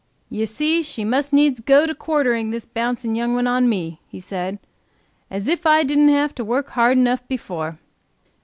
"You see she must needs go to quartering this bouncing young one on to me," he said, "as if I didn't have to work hard enough before.